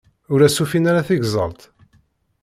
Ur as-ufin ara tigẓelt.